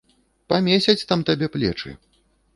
Памесяць там табе плечы.